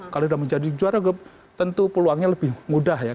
kalau sudah menjadi juara grup tentu peluangnya lebih mudah ya